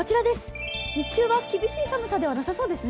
日中は厳しい寒さではなさそうですね。